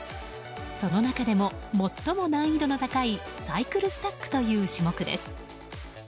その中でも、最も難易度の高いサイクルスタックという種目です。